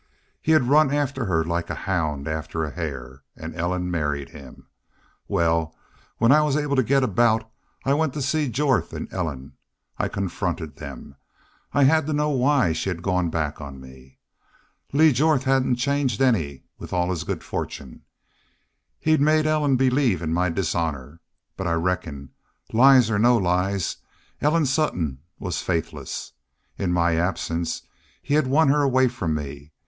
He had run after her like a hound after a hare.... An' Ellen married him. Wal, when I was able to get aboot I went to see Jorth an' Ellen. I confronted them. I had to know why she had gone back on me. Lee Jorth hadn't changed any with all his good fortune. He'd made Ellen believe in my dishonor. But, I reckon, lies or no lies, Ellen Sutton was faithless. In my absence he had won her away from me.